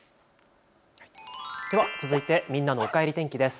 では続いてみんなのおかえり天気です。